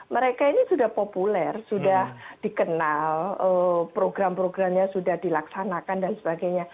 mereka ini sudah populer sudah dikenal program programnya sudah dilaksanakan dan sebagainya